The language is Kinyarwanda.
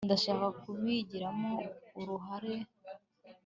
ndashaka kubigiramo uruhare